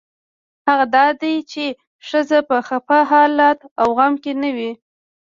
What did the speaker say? هغه دا دی چې ښځه په خپه حالت او غم کې نه وي.